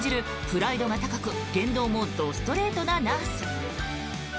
プライドが高く言動も、どストレートなナース。